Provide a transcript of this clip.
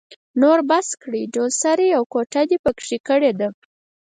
نور يې بس کړئ؛ ډول سری او ګوته دې په کې کړې ده.